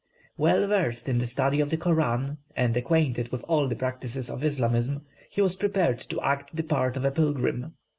Well versed in the study of the Koran, and acquainted with all the practices of Islamism, he was prepared to act the part of a pilgrim.